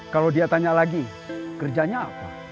kalau dia tanya lagi kerjanya apa